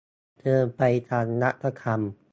เชิญไปฟัง รัฐธรรม